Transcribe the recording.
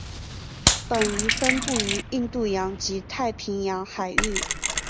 本鱼分布于印度洋及太平洋海域。